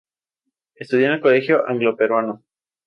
Estudió en el Colegio Anglo-Peruano.